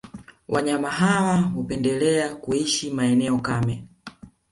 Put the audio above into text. Wanyama hawa hupendelea kuishi maeneo kame